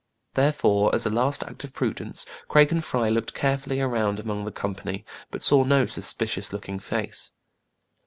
Therefore, as a last act of prudence, Craig and Fry looked carefully around among the com pany, but saw no suspicious looking face.